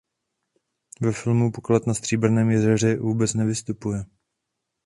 Ve filmu "Poklad na Stříbrném jezeře" vůbec nevystupuje.